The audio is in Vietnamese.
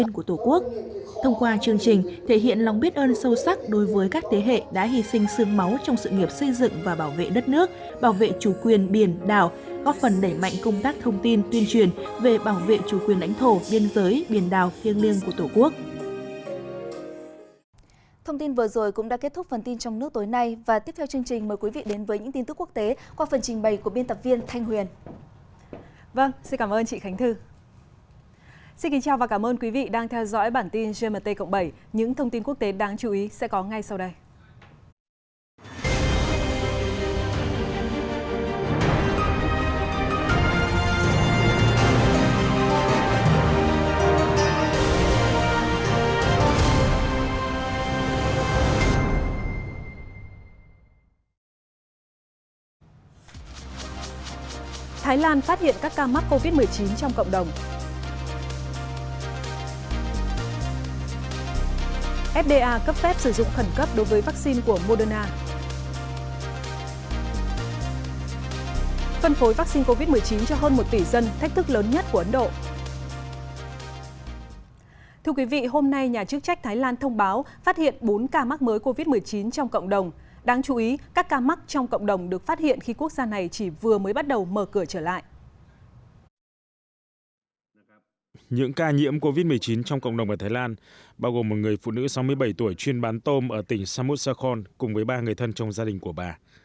những ca nhiễm covid một mươi chín trong cộng đồng ở thái lan bao gồm một người phụ nữ sáu mươi bảy tuổi chuyên bán tôm ở tỉnh samut sakon cùng với ba người thân trong gia đình của bà